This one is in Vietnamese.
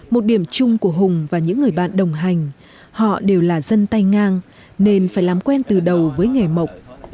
một điểm chung của hùng và những người bạn đồng hành họ đều là dân tay ngang nên phải làm quen từ đầu với nghề mộc